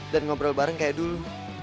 dan ngobrol bareng kayak dulu